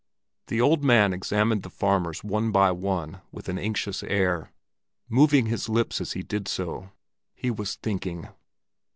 The old man examined the farmers one by one with an anxious air, moving his lips as he did so: he was thinking.